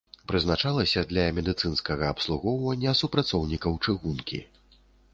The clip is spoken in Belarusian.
Прызначалася для медыцынскага абслугоўвання супрацоўнікаў чыгункі.